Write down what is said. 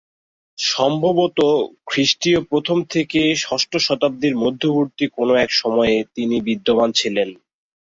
সম্ভবত খ্রিষ্টীয় প্রথম থেকে ষষ্ঠ শতাব্দীর মধ্যবর্তী কোনো এক সময়ে তিনি বিদ্যমান ছিলেন।